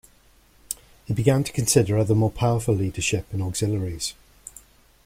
He began to consider other more powerful leadership and auxiliaries.